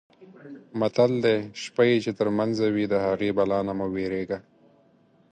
متل دی: شپه یې چې ترمنځه وي د هغې بلا نه مه وېرېږه.